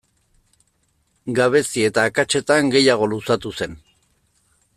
Gabezi eta akatsetan gehiago luzatu zen.